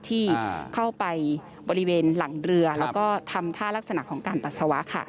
ที่เข้าไปบริเวณหลังเรือแล้วก็ทำท่ารักษณะของการปัสสาวะค่ะ